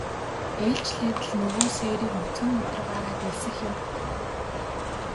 Ээлжлээд л нөгөө сээрийг нүцгэн нударгаараа дэлсэх юм.